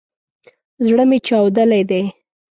زړه مي چاودلی دی